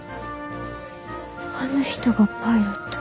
あの人がパイロット。